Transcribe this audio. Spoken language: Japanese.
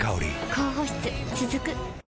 高保湿続く。